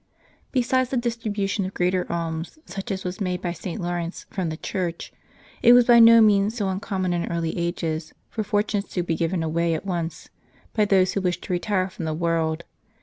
Besides the dis tribution of greater alms, such as w^as made by St. Laurence, from the Church, it was by no means so uncommon in early ages, for fortunes to be given aw^ay at once, by those who wished to retire from the world.